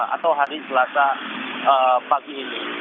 atau hari selasa pagi ini